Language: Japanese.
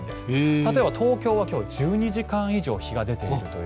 例えば、東京は今日１２時間以上日が出ていると。